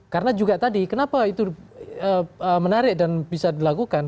karena juga tadi kenapa itu menarik dan bisa dilakukan